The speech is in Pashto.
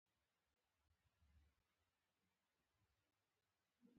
تا وویل: ډېره مننه نازولې.